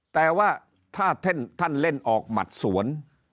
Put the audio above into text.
แต่ว่าถ้าท่านเล่นออกหมัดสวน